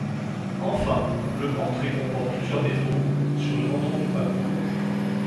Enfin, le portrait comporte plusieurs défauts sur le menton du peintre.